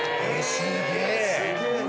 ・すげえな。